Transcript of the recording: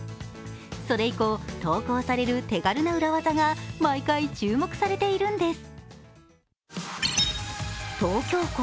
それ以降、投稿される手軽な裏技が毎回注目されているんです。